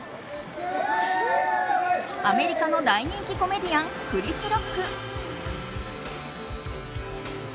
アメリカの大人気コメディアンクリス・ロック。